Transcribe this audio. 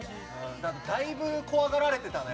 だいぶ、怖がられたね。